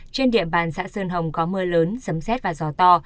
trên địa bàn xã sơn hồng có mưa lớn sấm xét và gió to